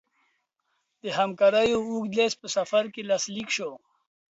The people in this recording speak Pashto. د همکاریو اوږد لېست په سفر کې لاسلیک شو.